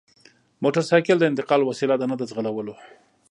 موټرسایکل د انتقال وسیله ده نه د ځغلولو!